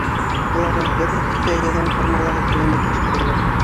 Уларҙан төрлө төҫтәге һәм формалағы келәм етештерәләр.